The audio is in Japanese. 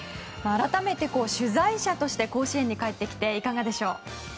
改めて、取材者として甲子園に帰ってきていかがでしょう？